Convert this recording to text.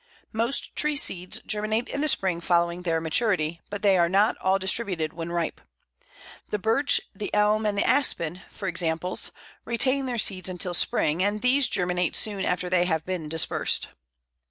Most tree seeds germinate in the spring following their maturity, but they are not all distributed when ripe. The Birch, the Elm, and the Aspen, for examples, retain their seeds until spring, and these germinate soon after they have been dispersed.